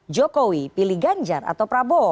jokowi pilih ganjar atau prabowo